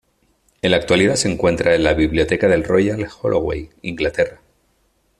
En la actualidad se encuentra en la biblioteca del Royal Holloway, Inglaterra.